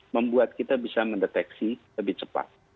membuat kita bisa mendeteksi lebih cepat